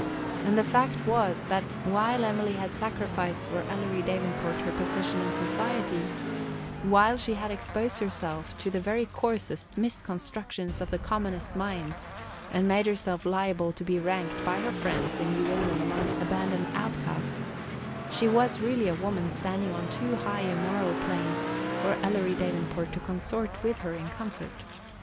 And the fact was, that while Emily had sacrificed for Ellery Davenport her position in society, – while she had exposed herself to the very coarsest misconstructions of the commonest minds, and made herself liable to be ranked by her friends in New England among abandoned outcasts, – she was really a woman standing on too high a moral plane for Ellery Davenport to consort with her in comfort.